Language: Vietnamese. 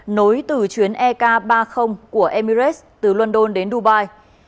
nối từ chuyến ek ba mươi của emirates từ london đến dubai